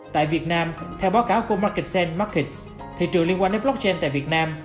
tại việt nam theo báo cáo của marketsend markets thị trường liên quan đến blockchain tại việt nam